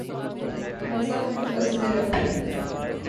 ھذا من فضْل ربی۔